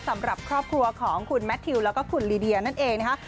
สำหรับครอบครัวของคุณแมททิวแล้วก็คุณลีเดียนั่นเองนะคะ